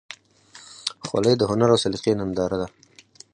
خولۍ د هنر او سلیقې ننداره ده.